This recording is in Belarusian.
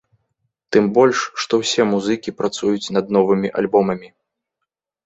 Тым больш, што ўсе музыкі працуюць над новымі альбомамі.